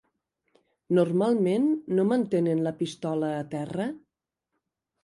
Normalment no mantenen la pistola a terra?